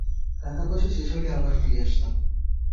টাকা পয়সা শেষ হলে আবার ফিরে আসতাম।